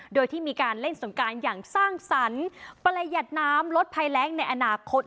โดยที่มีการเล่นสงการอย่างสร้างสรรค์ประหยัดน้ำลดภัยแรงในอนาคต